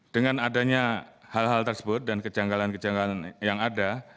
dengan adanya hal hal tersebut dan kejanggalan kejanggalan yang ada